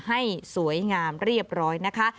ให้สวยงามเรียบร้อยนะคะ